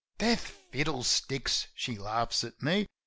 "Death, fiddlesticks," she laughs at me.